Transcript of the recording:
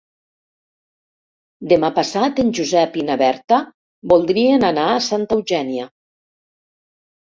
Demà passat en Josep i na Berta voldrien anar a Santa Eugènia.